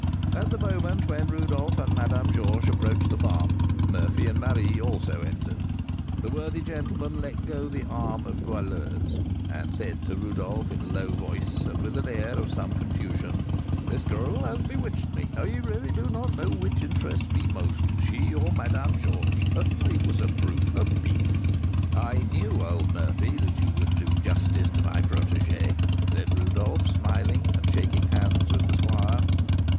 At the moment when Rodolph and Madame Georges approached the farm, Murphy and Marie also entered. The worthy gentleman let go the arm of Goualeuse, and said to Rodolph in a low voice, and with an air of some confusion: "This girl has bewitched me; I really do not know which interests me most, she or Madame Georges. I was a brute a beast!" "I knew, old Murphy, that you would do justice to my protégée," said Rodolph, smiling, and shaking hands with the squire.